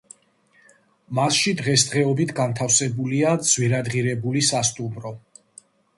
მასში, დღესდღეობით, განთავსებულია ძვირადღირებული სასტუმრო.